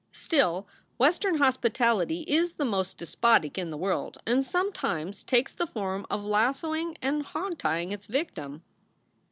Still, Western hospitality is the most despotic in the world, and sometimes takes the form of lassoing and hog tying its victim.